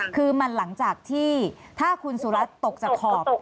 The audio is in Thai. คือมันหลังจากที่ถ้าคุณสุรัตน์ตกจากขอบ